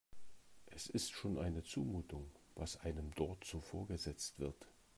Es ist schon eine Zumutung, was einem dort so vorgesetzt wird.